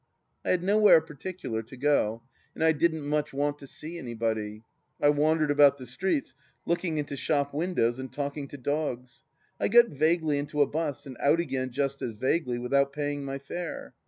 I had nowhere particular to go and I didn't much want to see anybody. I wandered about the streets looking into shop windows and talking to dogs. I got vaguely into a bus, and out again just as vaguely without paying my fare.